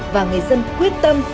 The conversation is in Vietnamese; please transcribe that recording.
và người dân quyết tâm